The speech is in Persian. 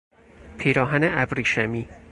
پیراهن ابریشمی